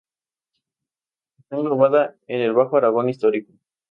Está englobada en el Bajo Aragón Histórico.